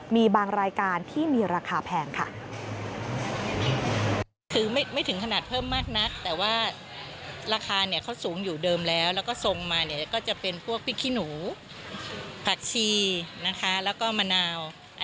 มีบางรายการที่มีราคาแพงค่ะ